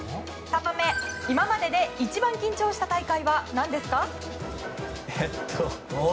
今まで一番緊張した大会は何ですか？